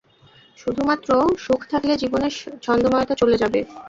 শুধুমাত্র সুখ থাকলে জীবনের ছন্দময়তা চলে যাবে।